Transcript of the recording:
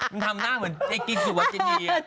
มึงทำหน้าเหมือนไอ้กี้สวชินีง